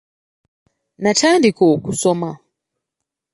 Ntandika okusoma.